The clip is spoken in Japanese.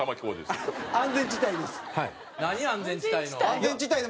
安全地帯の。